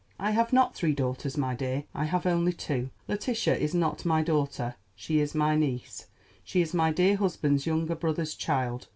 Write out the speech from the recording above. "I have not three daughters, my dear; I have only two. Letitia is not my daughter. She is my niece; she is my dear husband's younger brother's child.